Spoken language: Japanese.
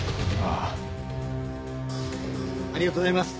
ありがとうございます。